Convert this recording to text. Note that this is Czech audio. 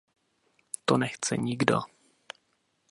To nechce nikdo.